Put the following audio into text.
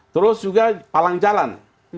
terus juga palang jalan